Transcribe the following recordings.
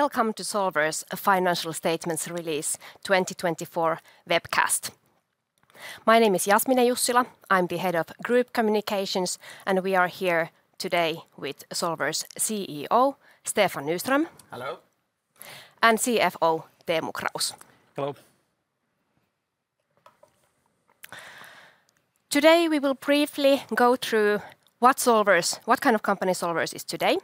Welcome to Solwers Financial Statements Release 2024 webcast. My name is Jasmine Jussila. I'm the Head of Group Communications, and we are here today with Solwers CEO Stefan Nyström. Hello. CFO Teemu Kraus. Hello. Today we will briefly go through what Solwers, what kind of company Solwers is today,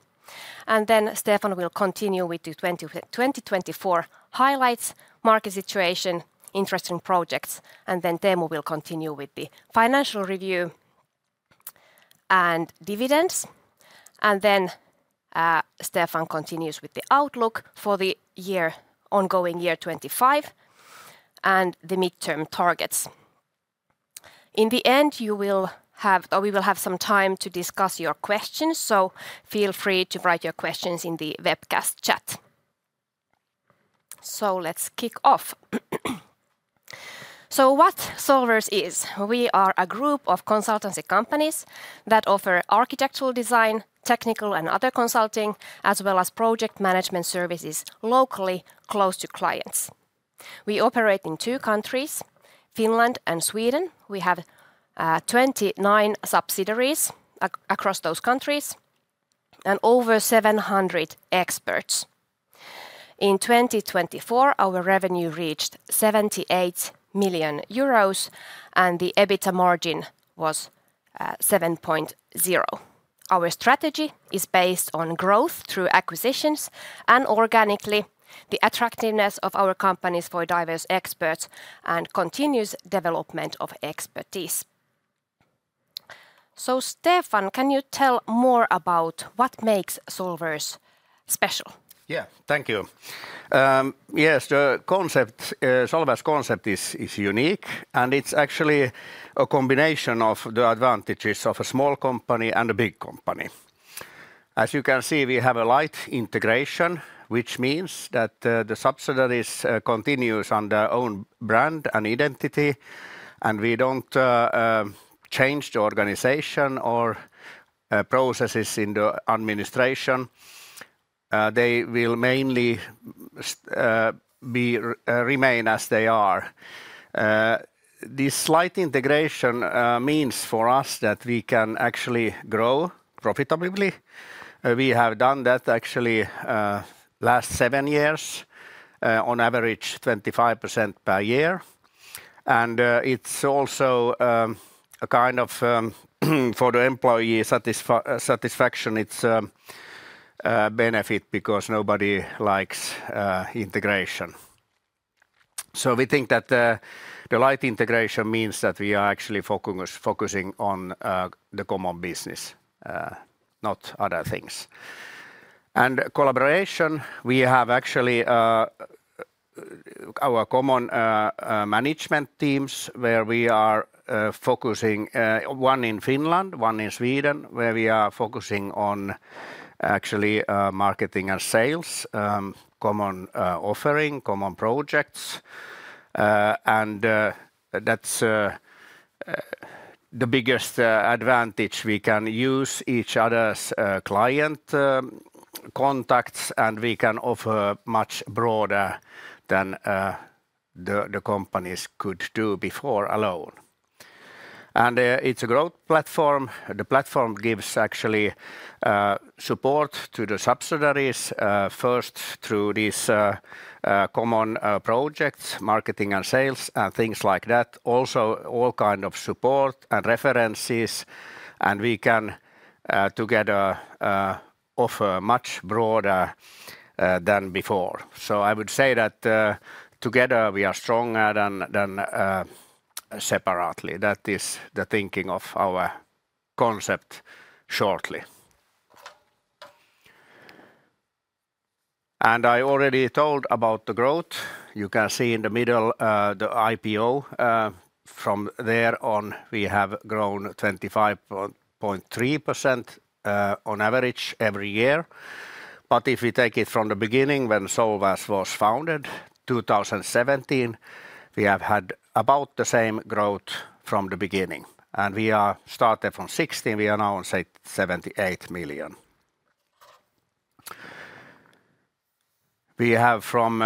and then Stefan will continue with the 2024 highlights, market situation, interesting projects, and then Teemu will continue with the financial review and dividends. Stefan continues with the outlook for the ongoing year 2025 and the midterm targets. In the end, you will have, or we will have some time to discuss your questions, so feel free to write your questions in the webcast chat. Let's kick off. What Solwers is, we are a group of consultancy companies that offer architectural design, technical, and other consulting, as well as project management services locally close to clients. We operate in two countries, Finland and Sweden. We have 29 subsidiaries across those countries and over 700 experts. In 2024, our revenue reached 78 million euros, and the EBITDA margin was 7.0%. Our strategy is based on growth through acquisitions and organically, the attractiveness of our companies for diverse experts and continuous development of expertise. Stefan, can you tell more about what makes Solwers special? Yeah, thank you. Yes, the Solwers concept is unique, and it's actually a combination of the advantages of a small company and a big company. As you can see, we have a light integration, which means that the subsidiaries continue on their own brand and identity, and we don't change the organization or processes in the administration. They will mainly remain as they are. This light integration means for us that we can actually grow profitably. We have done that actually the last seven years, on average 25% per year. It's also a kind of, for the employee satisfaction, it's a benefit because nobody likes integration. We think that the light integration means that we are actually focusing on the common business, not other things. Collaboration, we have actually our common management teams where we are focusing, one in Finland, one in Sweden, where we are focusing on actually marketing and sales, common offering, common projects. That is the biggest advantage we can use each other's client contacts, and we can offer much broader than the companies could do before alone. It is a growth platform. The platform gives actually support to the subsidiaries, first through these common projects, marketing and sales, and things like that. Also, all kinds of support and references, and we can together offer much broader than before. I would say that together we are stronger than separately. That is the thinking of our concept shortly. I already told about the growth. You can see in the middle the IPO. From there on, we have grown 25.3% on average every year. If we take it from the beginning, when Solwers was founded in 2017, we have had about the same growth from the beginning. We started from 16, we are now on 78 million. We have, from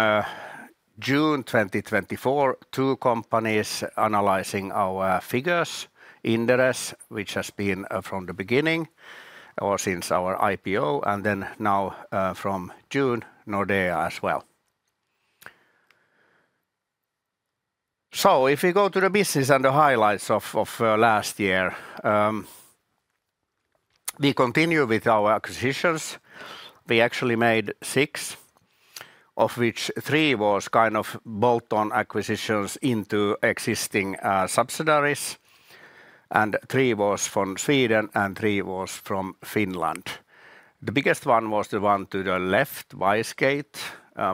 June 2024, two companies analyzing our figures, Inderes, which has been from the beginning or since our IPO, and now from June, Nordea as well. If we go to the business and the highlights of last year, we continue with our acquisitions. We actually made six, of which three were kind of bolt-on acquisitions into existing subsidiaries, and three were from Sweden and three were from Finland. The biggest one was the one to the left, WiseGate,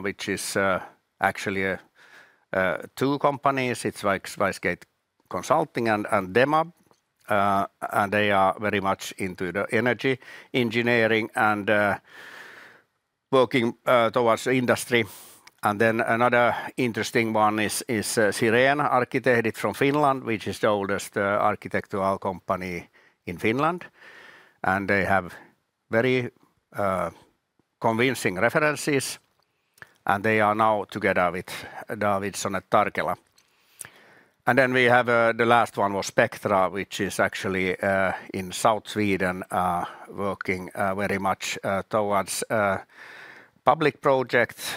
which is actually two companies. It is like WiseGate Consulting and Demab. They are very much into the energy engineering and working towards the industry. Another interesting one is Siren Arkkitehdit from Finland, which is the oldest architectural company in Finland. They have very convincing references, and they are now together with Davidsson and Tarkela. The last one was Spectra, which is actually in South Sweden, working very much towards public projects,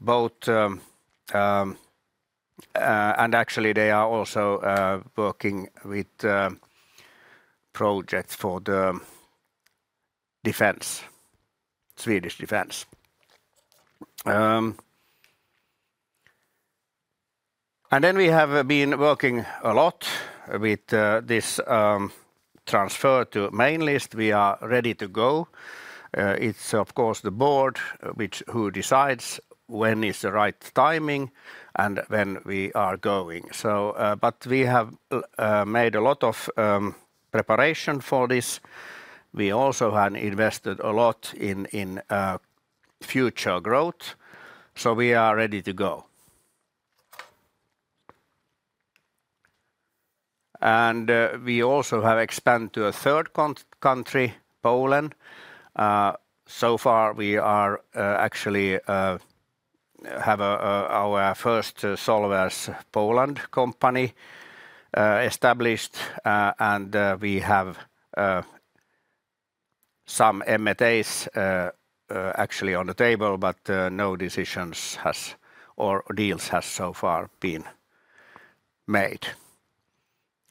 both. Actually, they are also working with projects for the Swedish defense. We have been working a lot with this transfer to Main List. We are ready to go. It is, of course, the board who decides when is the right timing and when we are going. We have made a lot of preparation for this. We also have invested a lot in future growth, so we are ready to go. We also have expanded to a third country, Poland. So far, we actually have our first Solwers Poland company established, and we have some M&As actually on the table, but no decisions or deals have so far been made.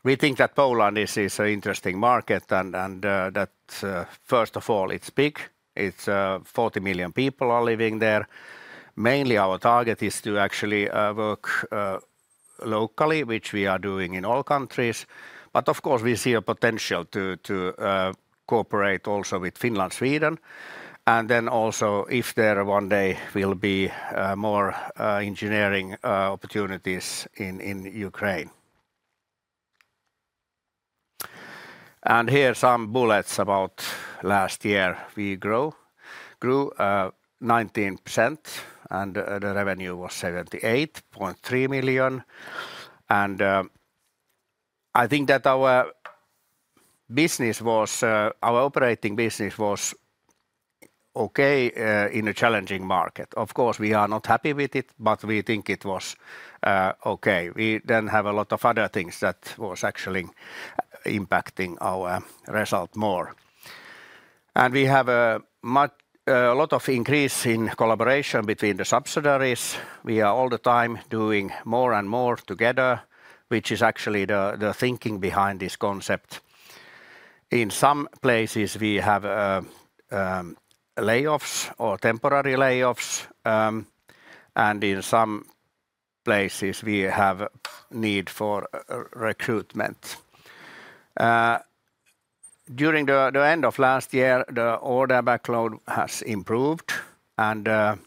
We think that Poland is an interesting market and that, first of all, it's big. It's 40 million people living there. Mainly, our target is to actually work locally, which we are doing in all countries. Of course, we see a potential to cooperate also with Finland, Sweden, and then also if there one day will be more engineering opportunities in Ukraine. Here are some bullets about last year. We grew 19%, and the revenue was 78.3 million. I think that our business, our operating business was okay in a challenging market. Of course, we are not happy with it, but we think it was okay. We then have a lot of other things that were actually impacting our result more. We have a lot of increase in collaboration between the subsidiaries. We are all the time doing more and more together, which is actually the thinking behind this concept. In some places, we have layoffs or temporary layoffs, and in some places, we have a need for recruitment. During the end of last year, the order backlog has improved, and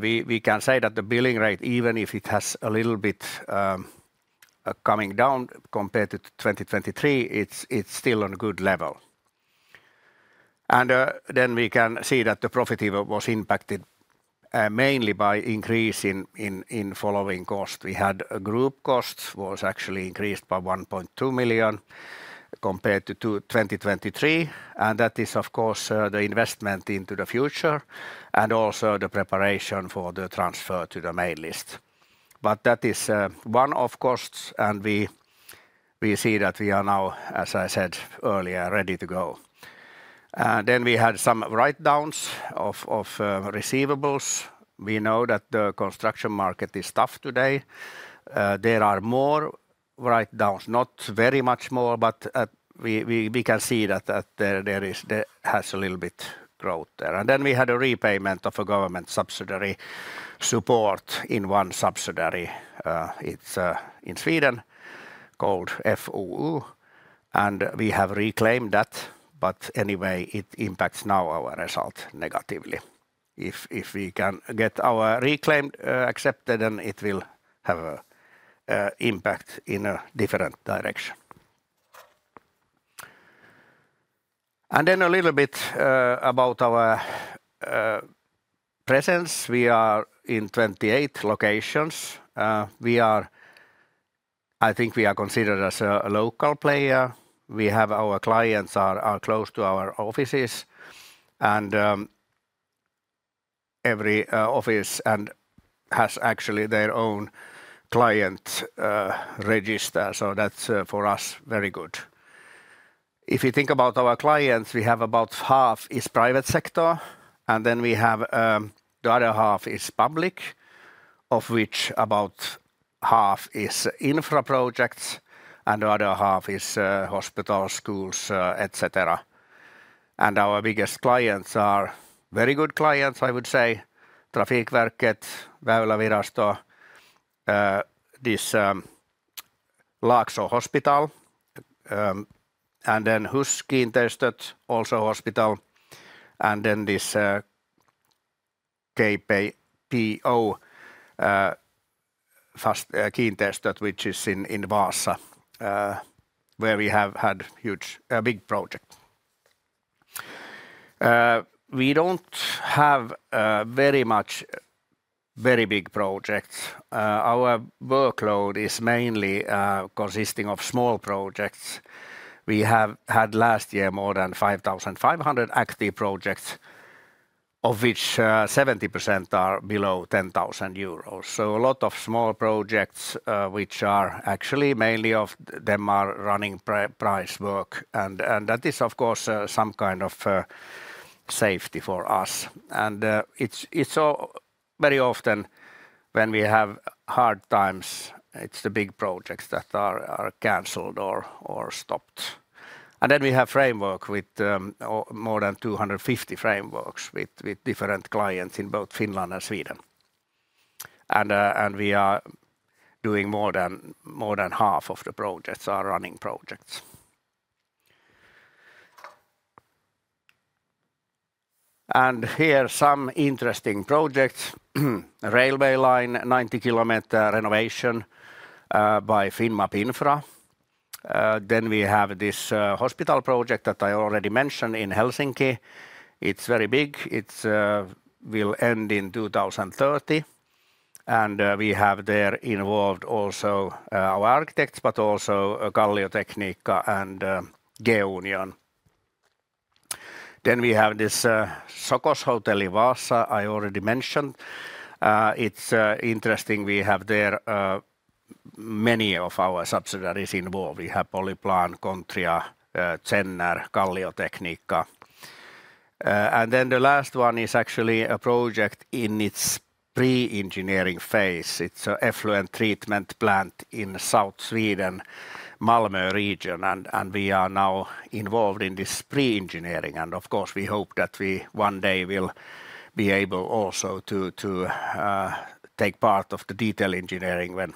we can say that the billing rate, even if it has a little bit come down compared to 2023, is still on a good level. We can see that the profit was impacted mainly by increase in following costs. We had group costs that were actually increased by 1.2 million compared to 2023. That is, of course, the investment into the future and also the preparation for the transfer to the Main List. That is one of the costs, and we see that we are now, as I said earlier, ready to go. We had some write-downs of receivables. We know that the construction market is tough today. There are more write-downs, not very much more, but we can see that there is a little bit of growth there. We had a repayment of a government subsidiary support in one subsidiary. It is in Sweden, called FoU, and we have reclaimed that. Anyway, it impacts now our result negatively. If we can get our reclaim accepted, then it will have an impact in a different direction. A little bit about our presence. We are in 28 locations. I think we are considered as a local player. We have our clients close to our offices, and every office has actually their own client register, so that's for us very good. If you think about our clients, we have about half in the private sector, and then we have the other half in public, of which about half is infra projects, and the other half is hospitals, schools, etc. Our biggest clients are very good clients, I would say, Trafikverket, Väylävirasto, this Laakso Hospital, and then HUS Kiinteistöt, also hospital, and then this KPO Kiinteistöt, which is in Vaasa, where we have had a big project. We don't have very much very big projects. Our workload is mainly consisting of small projects. We have had last year more than 5,500 active projects, of which 70% are below 10,000 euros. A lot of small projects, which are actually mainly of demand running price work, and that is, of course, some kind of safety for us. It is very often when we have hard times, it is the big projects that are canceled or stopped. We have more than 250 frameworks with different clients in both Finland and Sweden. We are doing more than half of the projects as running projects. Here are some interesting projects: railway line, 90 km renovation by Finnmap Infra. We have this hospital project that I already mentioned in Helsinki. It is very big. It will end in 2030. We have there involved also our architects, but also Kalliotekniikka and GeoUnion. We have this Sokos Hotel in Vaasa I already mentioned. It is interesting. We have there many of our subsidiaries involved. We have Polyplan, Kontria, Zenner, Kalliotekniikka. The last one is actually a project in its pre-engineering phase. It's an effluent treatment plant in South Sweden, Malmö region, and we are now involved in this pre-engineering. Of course, we hope that we one day will be able also to take part of the detail engineering when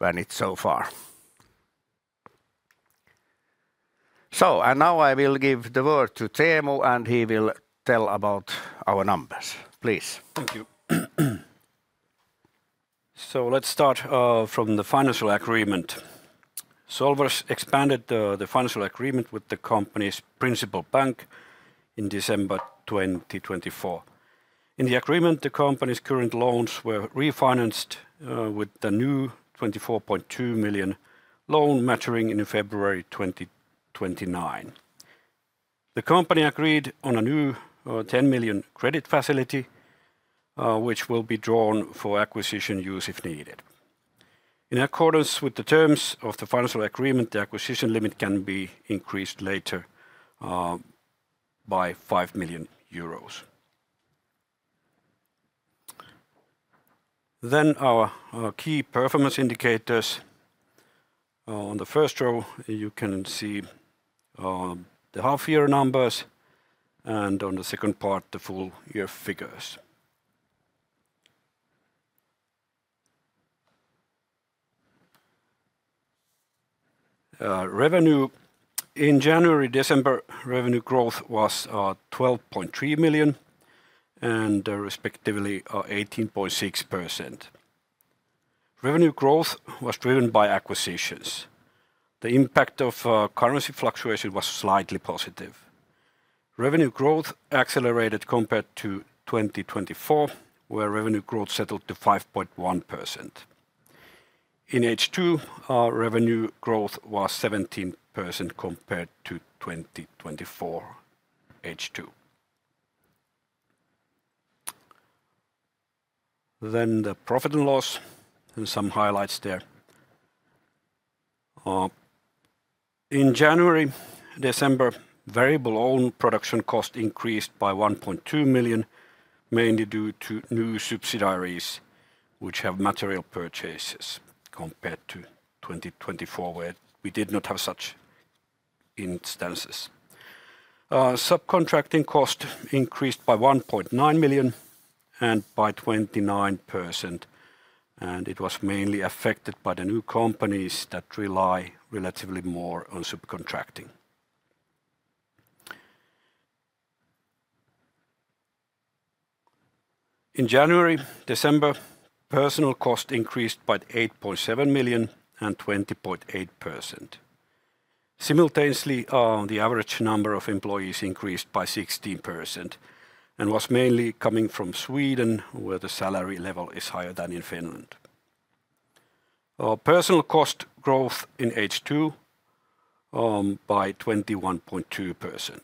it's so far. Now I will give the word to Teemu, and he will tell about our numbers. Please. Thank you. Let's start from the financial agreement. Solwers expanded the financial agreement with the company's principal bank in December 2024. In the agreement, the company's current loans were refinanced with the new 24.2 million loan maturing in February 2029. The company agreed on a new 10 million credit facility, which will be drawn for acquisition use if needed. In accordance with the terms of the financial agreement, the acquisition limit can be increased later by EUR 5 million. Our key performance indicators. On the first row, you can see the half-year numbers, and on the second part, the full-year figures. Revenue in January-December, revenue growth was 12.3 million, and respectively 18.6%. Revenue growth was driven by acquisitions. The impact of currency fluctuation was slightly positive. Revenue growth accelerated compared to 2024, where revenue growth settled to 5.1%. In H2, revenue growth was 17% compared to 2024 H2. The profit and loss and some highlights there. In January-December, variable own production cost increased by 1.2 million, mainly due to new subsidiaries, which have material purchases compared to 2024, where we did not have such instances. Subcontracting cost increased by 1.9 million and by 29%, and it was mainly affected by the new companies that rely relatively more on subcontracting. In January-December, personnel cost increased by 8.7 million and 20.8%. Simultaneously, the average number of employees increased by 16% and was mainly coming from Sweden, where the salary level is higher than in Finland. Personnel cost growth in H2 by 21.2%.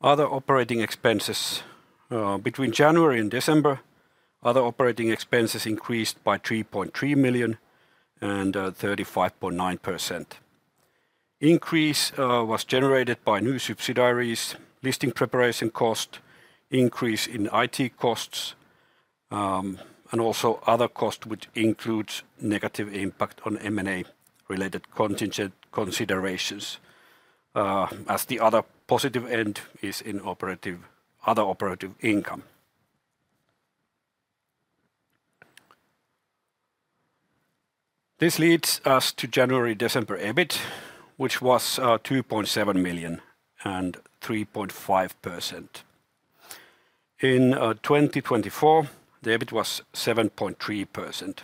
Other operating expenses. Between January and December, other operating expenses increased by 3.3 million and 35.9%. Increase was generated by new subsidiaries, listing preparation cost, increase in IT costs, and also other costs which include negative impact on M&A-related considerations, as the other positive end is in other operative income. This leads us to January-December EBIT, which was 2.7 million and 3.5%. In 2024, the EBIT was 7.3%.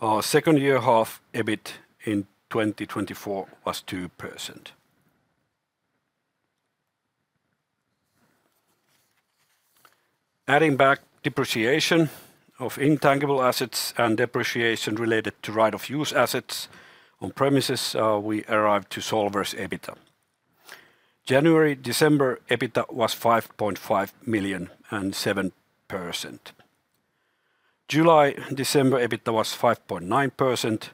Our second year-half EBIT in 2024 was 2%. Adding back depreciation of intangible assets and depreciation related to right-of-use assets on premises, we arrived to Solwers EBITDA. January-December EBITDA was 5.5 million and 7%. July-December EBITDA was 5.9%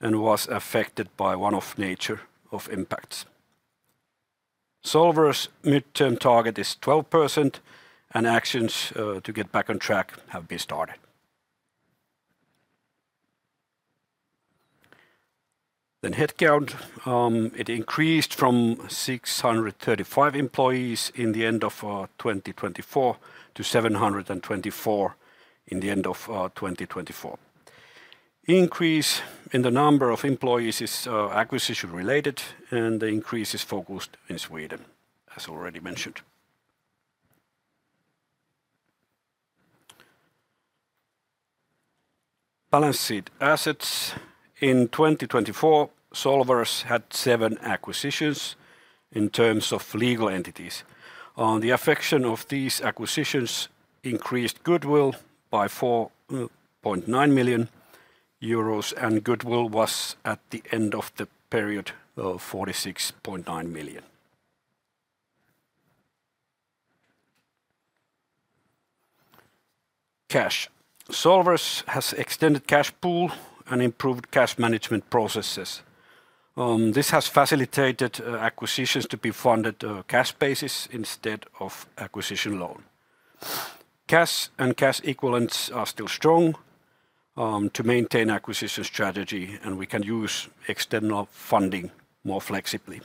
and was affected by one-off nature of impacts. Solwers midterm target is 12%, and actions to get back on track have been started. Headcount increased from 635 employees in the end of 2023 to 724 in the end of 2024. Increase in the number of employees is acquisition-related, and the increase is focused in Sweden, as already mentioned. Balance sheet assets. In 2024, Solwers had seven acquisitions in terms of legal entities. The affection of these acquisitions increased goodwill by 4.9 million euros, and goodwill was at the end of the period 46.9 million. Cash. Solwers has extended cash pool and improved cash management processes. This has facilitated acquisitions to be funded on a cash basis instead of acquisition loan. Cash and cash equivalents are still strong to maintain acquisition strategy, and we can use external funding more flexibly.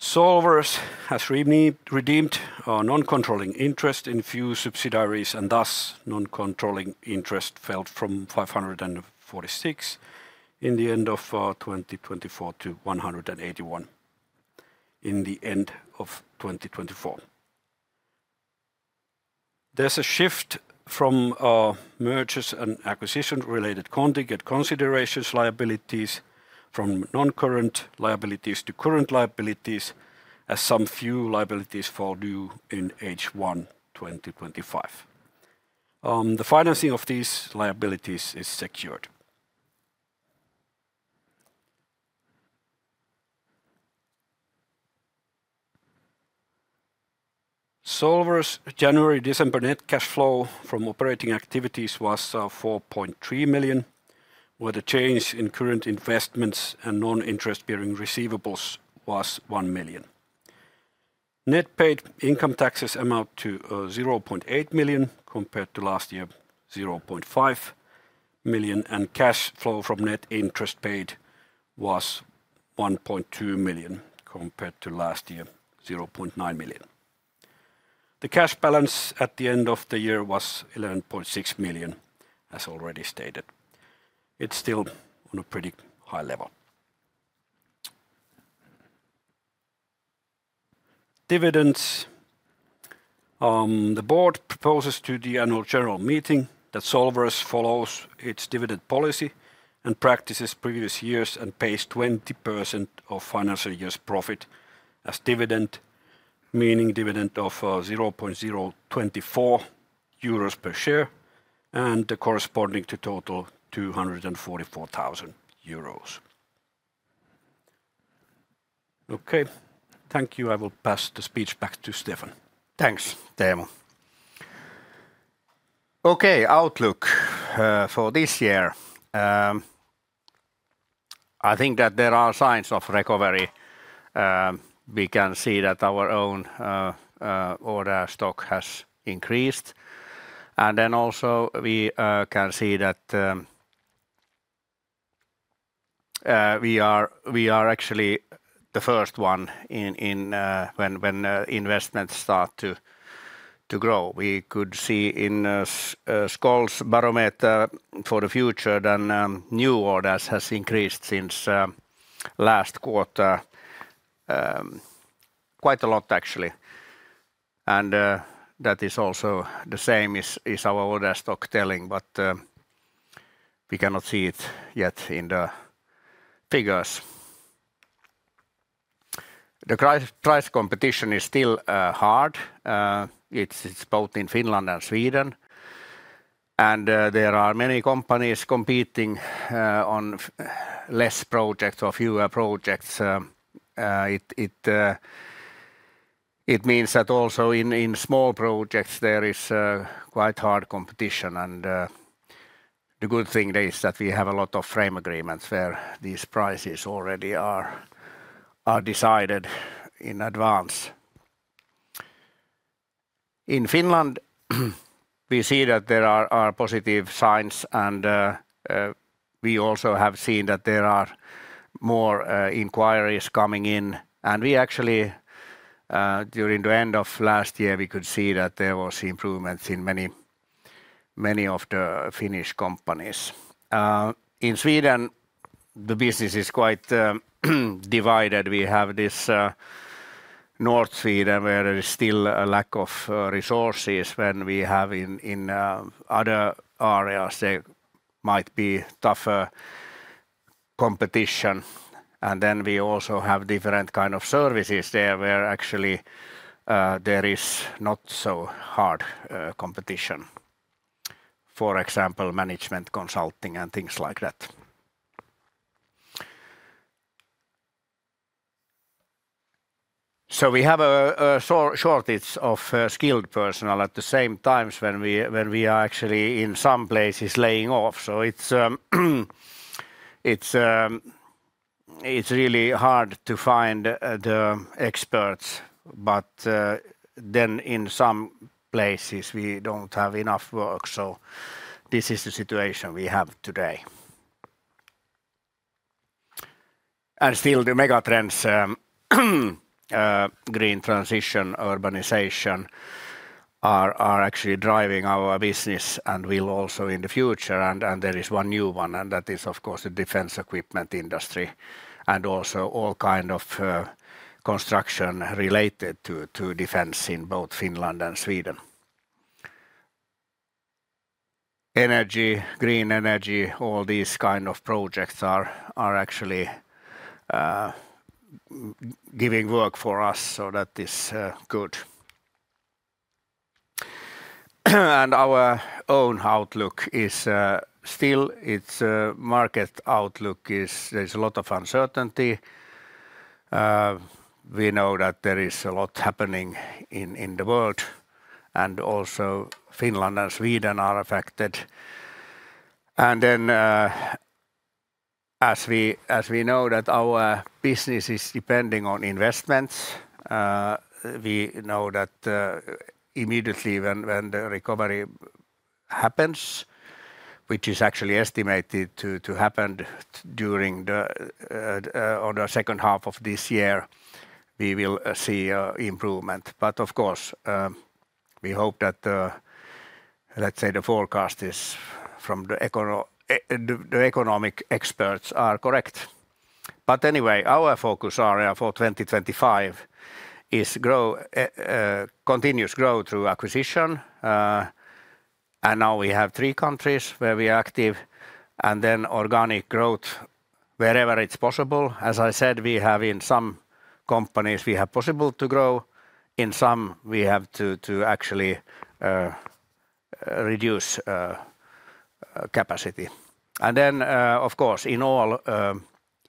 Solwers has redeemed non-controlling interest in few subsidiaries, and thus non-controlling interest fell from 546,000 in the end of 2024 to 181,000 in the end of 2024. There's a shift from mergers and acquisitions-related contingent considerations, liabilities from non-current liabilities to current liabilities, as some few liabilities fall due in H1 2025. The financing of these liabilities is secured. Solwers' January-December net cash flow from operating activities was 4.3 million, where the change in current investments and non-interest-bearing receivables was 1 million. Net paid income taxes amount to 0.8 million compared to last year, 0.5 million, and cash flow from net interest paid was 1.2 million compared to last year, 0.9 million. The cash balance at the end of the year was 11.6 million, as already stated. It's still on a pretty high level. Dividends. The board proposes to the annual general meeting that Solwers follows its dividend policy and practices previous years and pays 20% of financial year's profit as dividend, meaning dividend of 0.024 euros per share and corresponding to total 244,000 euros. Okay, thank you. I will pass the speech back to Stefan. Thanks, Teemu. Okay, outlook for this year. I think that there are signs of recovery. We can see that our own order stock has increased. We can see that we are actually the first one when investments start to grow. We could see in SKOL's barometer for the future that new orders have increased since last quarter. Quite a lot, actually. That is also the same as our order stock telling, but we cannot see it yet in the figures. The price competition is still hard. It is both in Finland and Sweden. There are many companies competing on fewer projects. It means that also in small projects, there is quite hard competition. The good thing is that we have a lot of frame agreements where these prices already are decided in advance. In Finland, we see that there are positive signs, and we also have seen that there are more inquiries coming in. Actually, during the end of last year, we could see that there were improvements in many of the Finnish companies. In Sweden, the business is quite divided. We have this North Sweden where there is still a lack of resources. When we have in other areas, there might be tougher competition. There are also different kinds of services there where actually there is not so hard competition. For example, management consulting and things like that. We have a shortage of skilled personnel at the same times when we are actually in some places laying off. It is really hard to find the experts. In some places, we do not have enough work. This is the situation we have today. Still, the megatrends, green transition, urbanization, are actually driving our business and will also in the future. There is one new one, and that is of course the defense equipment industry and also all kinds of construction related to defense in both Finland and Sweden. Energy, green energy, all these kinds of projects are actually giving work for us so that it is good. Our own outlook is still, its market outlook is there's a lot of uncertainty. We know that there is a lot happening in the world, and also Finland and Sweden are affected. As we know that our business is depending on investments, we know that immediately when the recovery happens, which is actually estimated to happen during the second half of this year, we will see an improvement. Of course, we hope that, let's say, the forecast is from the economic experts are correct. Anyway, our focus area for 2025 is continuous growth through acquisition. Now we have three countries where we are active, and then organic growth wherever it's possible. As I said, we have in some companies we have possible to grow, in some we have to actually reduce capacity. Of course, in all.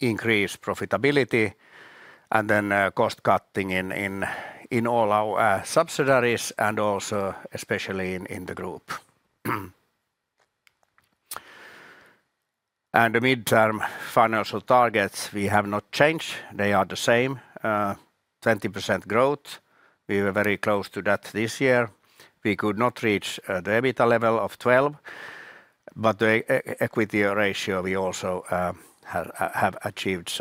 Increase profitability, and then cost cutting in all our subsidiaries, and also especially in the group. The midterm financial targets, we have not changed. They are the same, 20% growth. We were very close to that this year. We could not reach the EBITDA level of 12, but the equity ratio we also have achieved.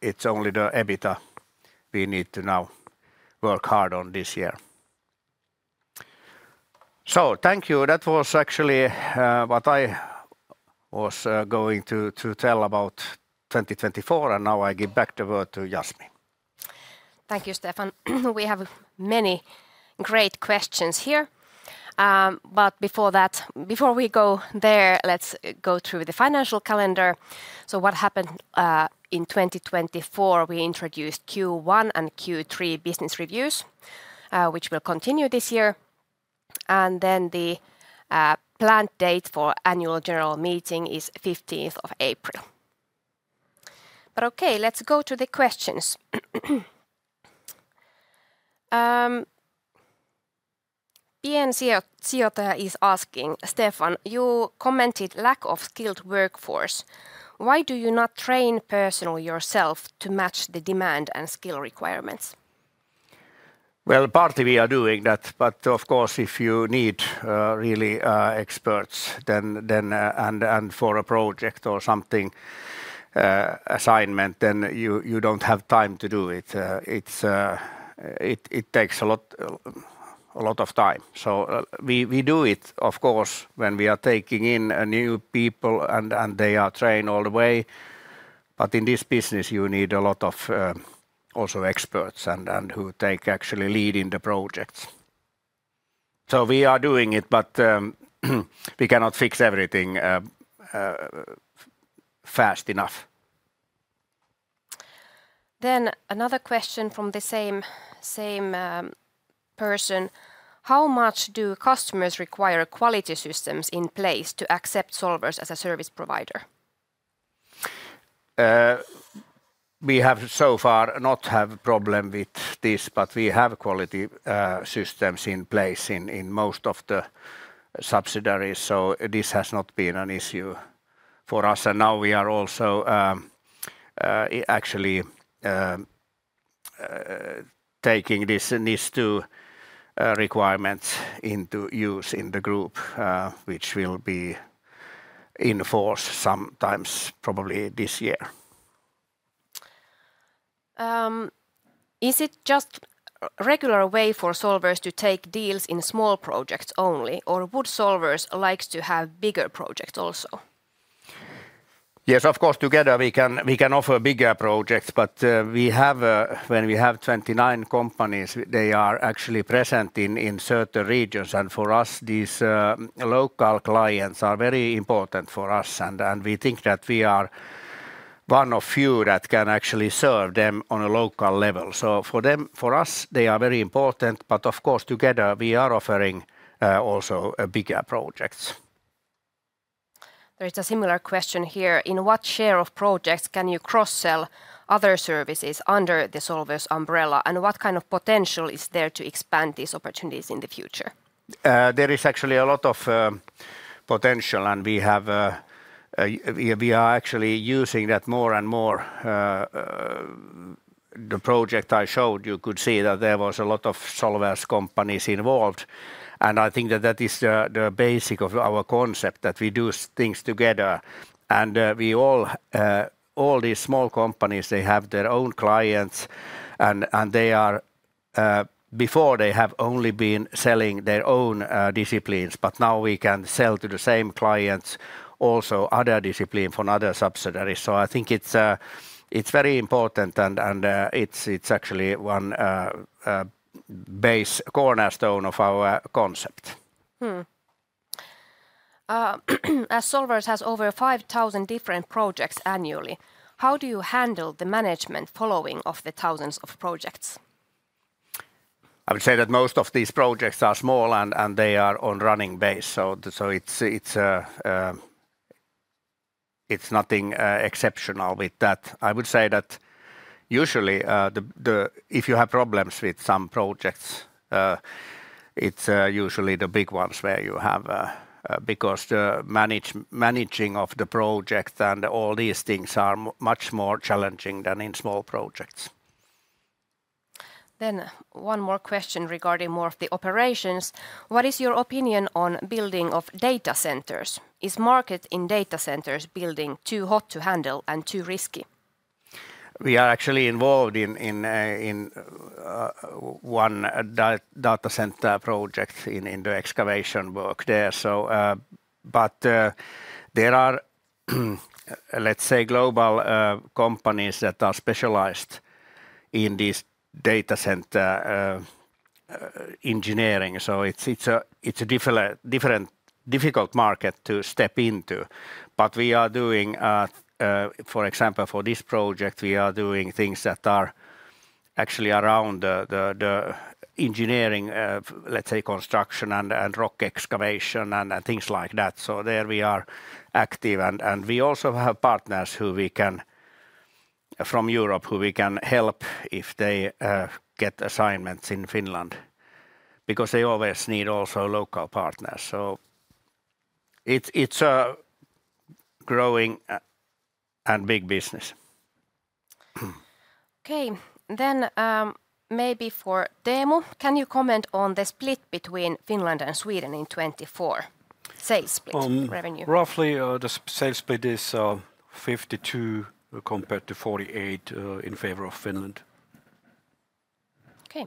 It is only the EBITDA we need to now work hard on this year. Thank you. That was actually what I was going to tell about 2024, and now I give back the word to Jasmine. Thank you, Stefan. We have many great questions here. Before that, before we go there, let's go through the financial calendar. What happened in 2024? We introduced Q1 and Q3 business reviews, which will continue this year. The planned date for annual general meeting is 15th of April. Okay, let's go to the questions. Ian Sijoittaj is asking, Stefan, you commented lack of skilled workforce. Why do you not train personnel yourself to match the demand and skill requirements? Partly we are doing that, but of course, if you need really experts and for a project or something assignment, then you don't have time to do it. It takes a lot of time. We do it, of course, when we are taking in new people and they are trained all the way. In this business, you need a lot of also experts and who take actually lead in the projects. We are doing it, but we cannot fix everything fast enough. Another question from the same person. How much do customers require quality systems in place to accept Solwers as a service provider? We have so far not had a problem with this, but we have quality systems in place in most of the subsidiaries. This has not been an issue for us. Now we are also actually taking this NIS2 requirements into use in the group, which will be enforced sometime probably this year. Is it just a regular way for Solwers to take deals in small projects only, or would Solwers like to have bigger projects also? Yes, of course, together we can offer bigger projects, but when we have 29 companies, they are actually present in certain regions. For us, these local clients are very important for us. We think that we are one of few that can actually serve them on a local level. For us, they are very important, but of course, together we are offering also bigger projects. There is a similar question here. In what share of projects can you cross-sell other services under the Solwers umbrella, and what kind of potential is there to expand these opportunities in the future? There is actually a lot of potential, and we are actually using that more and more. The project I showed, you could see that there was a lot of Solwers companies involved. I think that that is the basic of our concept, that we do things together. All these small companies, they have their own clients, and before they have only been selling their own disciplines, but now we can sell to the same clients also other disciplines from other subsidiaries. I think it's very important, and it's actually one cornerstone of our concept. As Solwers has over 5,000 different projects annually, how do you handle the management following of the thousands of projects? I would say that most of these projects are small, and they are on a running base. It is nothing exceptional with that. I would say that usually, if you have problems with some projects, it is usually the big ones where you have, because the managing of the project and all these things are much more challenging than in small projects. One more question regarding more of the operations. What is your opinion on building of data centers? Is the market in data centers building too hot to handle and too risky? We are actually involved in one data center project in the excavation work there. There are, let's say, global companies that are specialized in this data center engineering. It is a difficult market to step into. We are doing, for example, for this project, we are doing things that are actually around the engineering, let's say, construction and rock excavation and things like that. There we are active. We also have partners from Europe who we can help if they get assignments in Finland, because they always need also local partners. It is a growing and big business. Okay, then maybe for Teemu, can you comment on the split between Finland and Sweden in 2024? Sales split revenue. Roughly, the sales split is 52 compared to 48 in favor of Finland. Okay.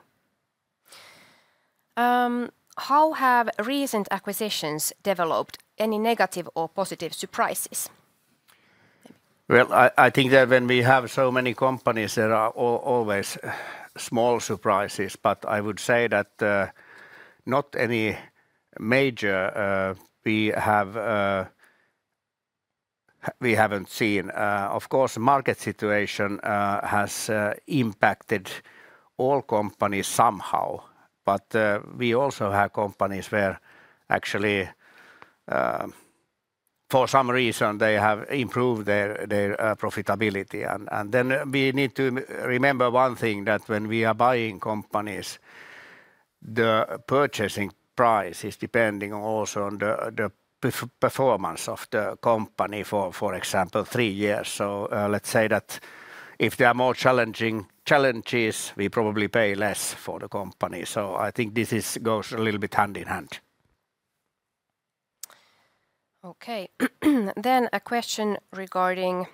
How have recent acquisitions developed? Any negative or positive surprises? I think that when we have so many companies, there are always small surprises, but I would say that not any major we haven't seen. Of course, the market situation has impacted all companies somehow, but we also have companies where actually, for some reason, they have improved their profitability. We need to remember one thing that when we are buying companies, the purchasing price is depending also on the performance of the company for, for example, three years. Let's say that if there are more challenges, we probably pay less for the company. I think this goes a little bit hand in hand. Okay. A question regarding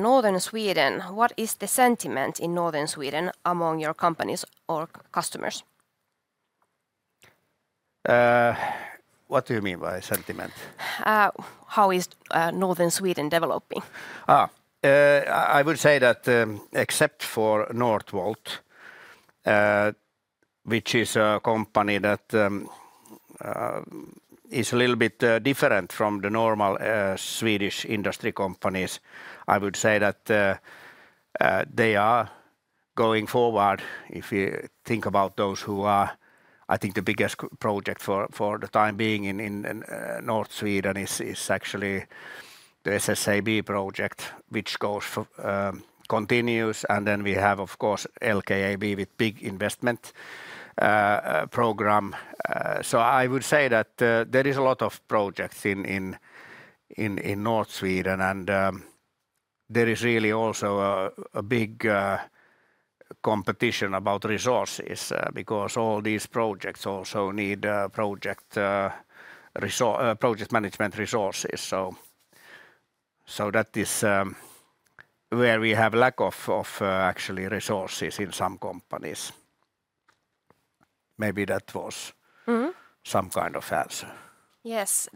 Northern Sweden. What is the sentiment in Northern Sweden among your companies or customers? What do you mean by sentiment? How is Northern Sweden developing? I would say that except for Northvolt, which is a company that is a little bit different from the normal Swedish industry companies, I would say that they are going forward. If you think about those who are, I think the biggest project for the time being in North Sweden is actually the SSAB project, which continues. We have, of course, LKAB with big investment program. I would say that there are a lot of projects in North Sweden, and there is really also a big competition about resources because all these projects also need project management resources. That is where we have a lack of actually resources in some companies. Maybe that was some kind of answer. Yes.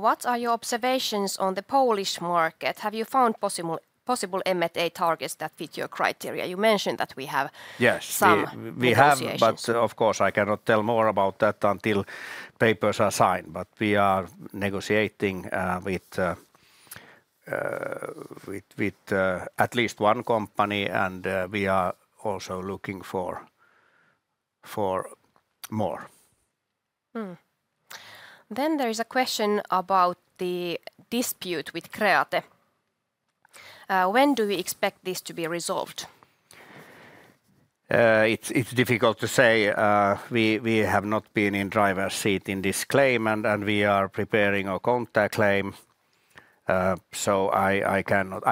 What are your observations on the Polish market? Have you found possible M&A targets that fit your criteria? You mentioned that we have some. Yes, we have, but of course, I cannot tell more about that until papers are signed. We are negotiating with at least one company, and we are also looking for more. There is a question about the dispute with Kreate. When do we expect this to be resolved? It's difficult to say. We have not been in the driver's seat in this claim, and we are preparing a contact claim.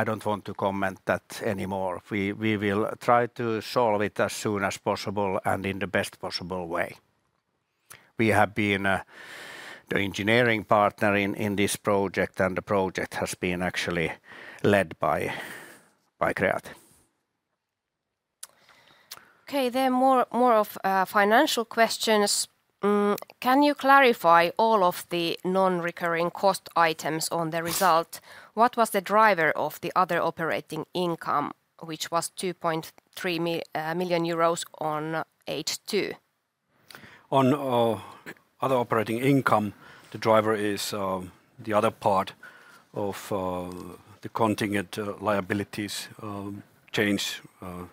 I don't want to comment on that anymore. We will try to solve it as soon as possible and in the best possible way. We have been the engineering partner in this project, and the project has been actually led by Kreate. Okay, more financial questions. Can you clarify all of the non-recurring cost items on the result? What was the driver of the other operating income, which was 2.3 million euros on H2? On other operating income, the driver is the other part of the contingent liabilities change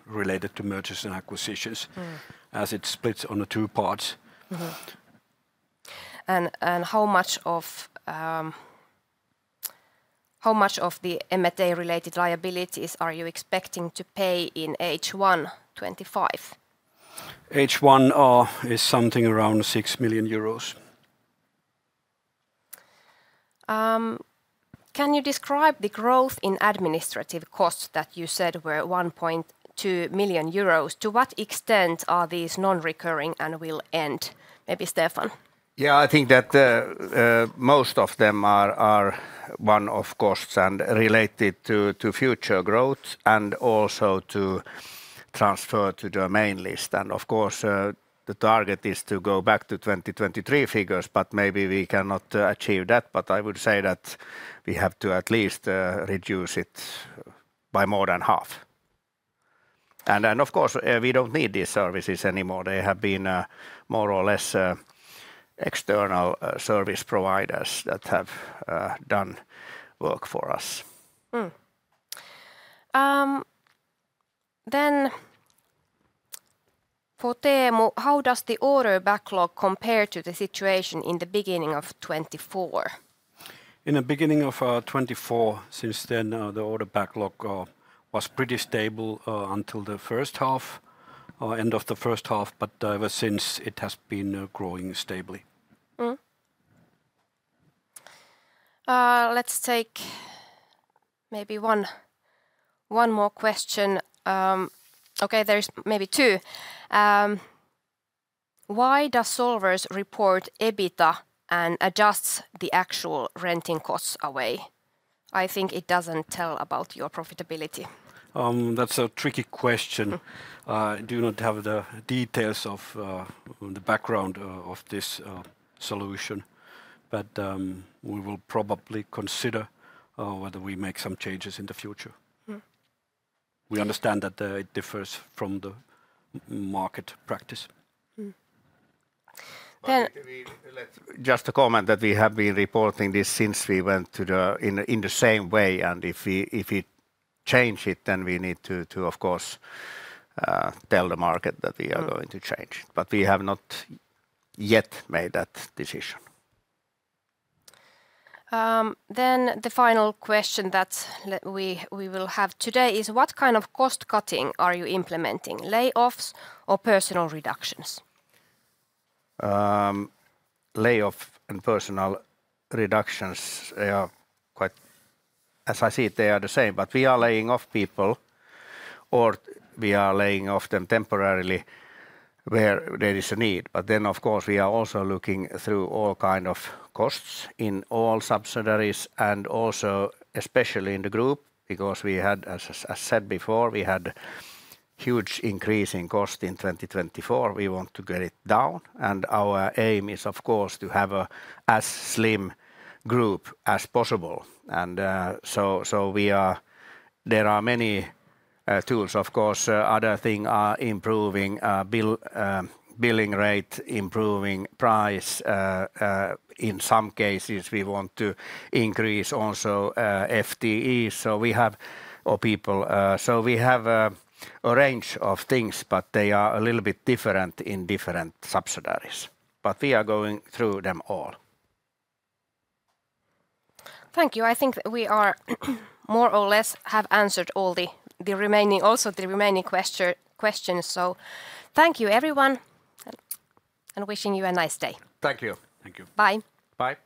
related to mergers and acquisitions as it splits on the two parts. How much of the M&A-related liabilities are you expecting to pay in H1 2025? H1 is something around EUR 6 million. Can you describe the growth in administrative costs that you said were 1.2 million euros? To what extent are these non-recurring and will end? Maybe Stefan. Yeah, I think that most of them are one-off costs and related to future growth and also to transfer to the main list. Of course, the target is to go back to 2023 figures, but maybe we cannot achieve that. I would say that we have to at least reduce it by more than half. Of course, we do not need these services anymore. They have been more or less external service providers that have done work for us. For Teemu, how does the order backlog compare to the situation in the beginning of 2024? In the beginning of 2024, since then the order backlog was pretty stable until the first half, end of the first half, but ever since it has been growing stably. Let's take maybe one more question. Okay, there's maybe two. Why does Solwers report EBITDA and adjusts the actual renting costs away? I think it doesn't tell about your profitability. That's a tricky question. I do not have the details of the background of this solution, but we will probably consider whether we make some changes in the future. We understand that it differs from the market practice. Just a comment that we have been reporting this since we went in the same way, and if we change it, then we need to, of course, tell the market that we are going to change. We have not yet made that decision. The final question that we will have today is what kind of cost cutting are you implementing? Layoffs or personnel reductions? Layoff and personnel reductions are quite, as I see it, they are the same, but we are laying off people or we are laying off them temporarily where there is a need. Of course, we are also looking through all kinds of costs in all subsidiaries and also especially in the group, because we had, as I said before, we had a huge increase in cost in 2024. We want to get it down, and our aim is, of course, to have an as slim group as possible. There are many tools, of course. Other things are improving billing rate, improving price. In some cases, we want to increase also FTEs. We have people. We have a range of things, but they are a little bit different in different subsidiaries. We are going through them all. Thank you. I think we more or less have answered all the remaining questions. Thank you, everyone, and wishing you a nice day. Thank you. Thank you. Bye. Bye.